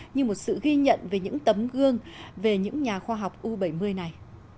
như một sự ghi nhận về những tấm gương về những nhà khoa học u bảy mươi này